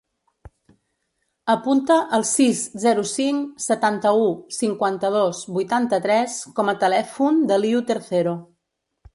Apunta el sis, zero, cinc, setanta-u, cinquanta-dos, vuitanta-tres com a telèfon de l'Iu Tercero.